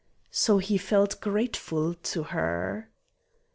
So he felt grateful to her.